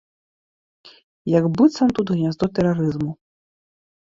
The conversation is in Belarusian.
Як быццам тут гняздо тэрарызму.